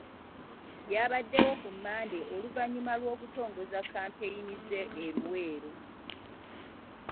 Byabadewo ku Mmande oluvannyuma lw'okutongoza kampeyini ze e Luweero.